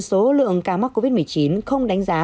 số lượng ca mắc covid một mươi chín không đánh giá